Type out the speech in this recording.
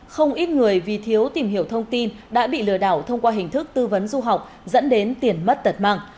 không ít người vì thiếu tìm hiểu thông tin đã bị lừa đảo thông qua hình thức tư vấn du học dẫn đến tiền mất tật mạng